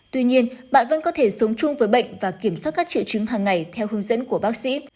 tuy nhiên bạn vẫn có thể sống chung với bệnh và kiểm soát các triệu chứng hàng ngày theo hướng dẫn của bác sĩ